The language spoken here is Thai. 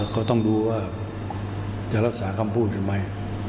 ก็ต้องดูว่าจะรักษาคำพูดหรือไม่